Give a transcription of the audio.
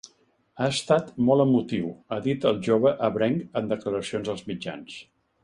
Ha estat molt emotiu, ha dit el jove ebrenc en declaracions als mitjans.